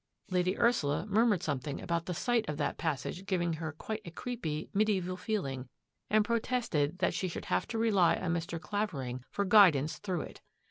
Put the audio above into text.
Lady Ursula murmured something about the sight of that passage giving her quite a creepy, mediaeval feeling and protested that she should have to rely on Mr. Clavering for guidance through it.